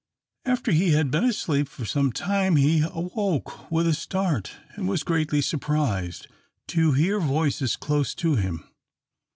After he had been asleep for some time he awoke with a start, and was greatly surprised to hear voices close to him.